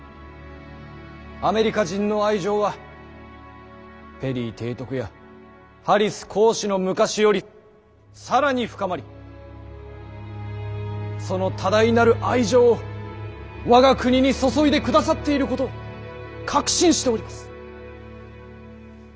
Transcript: アメリカ人の愛情はペリー提督やハリス公使の昔より更に深まりその多大なる愛情を我が国に注いでくださっていることを確信しております。